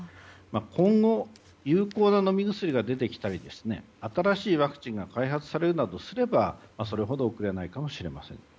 今後、有効な飲み薬が出てきたり新しいワクチンが開発されるなどすればそれほど遅れないかもしれません。